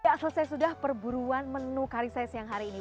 ya selesai sudah perburuan menu kari saya siang hari ini